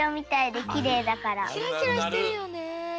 キラキラしてるよね。